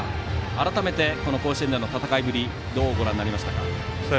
改めて、この甲子園での戦いぶりどうご覧になりましたか。